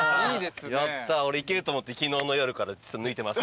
やった俺行けると思って昨日の夜から抜いてます。